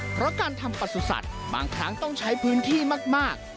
เพราะการทำประสุทธิ์บางครั้งต้องใช้พื้นที่มาก